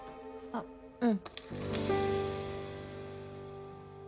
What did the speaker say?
あっうん。